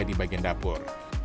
di bagian dapur